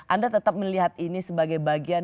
anda tetap melihat ini sebagai bagian